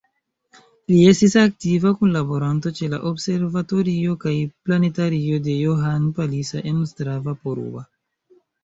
Li estis aktiva kunlaboranto ĉe la Observatorio kaj planetario de Johann Palisa en Ostrava-Poruba.